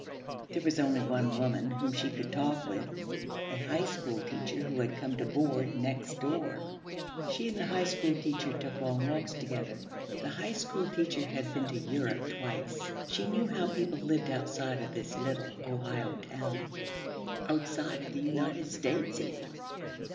There was only one woman whom she could talk with, a High School teacher who had come to board next door. She and the High School teacher took long walks together. The High School teacher had been to Europe twice. She knew how people lived outside of this little Ohio town outside of the United States even.